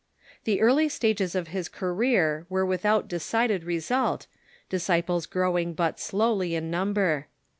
The early stages of his career were without decided result, disciples growing but slowly in number.